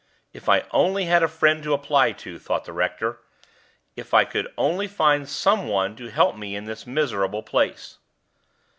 "If I only had a friend to apply to!" thought the rector. "If I could only find some one to help me in this miserable place!"